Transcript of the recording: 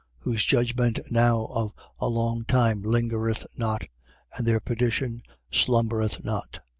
Whose judgment now of a long time lingereth not: and their perdition slumbereth not.